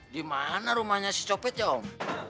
dimana rumahnya si copet ya om